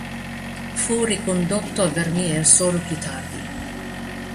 Fu ricondotto a Vermeer solo più tardi.